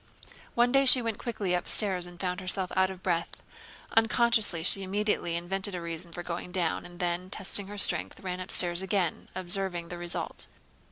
One day she went quickly upstairs and found herself out of breath. Unconsciously she immediately invented a reason for going down, and then, testing her strength, ran upstairs again, observing the result.